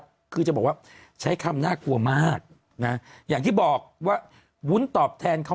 คือจะบอกว่าใช้คำน่ากลัวมากนะอย่างที่บอกว่าวุ้นตอบแทนคำ